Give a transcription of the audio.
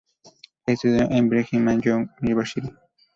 Estudió en la Brigham Young University.